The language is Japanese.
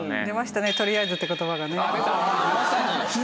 出ましたね「とりあえず」って言葉がね。